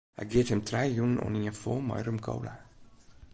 Hy geat him trije jûnen oanien fol mei rum-kola.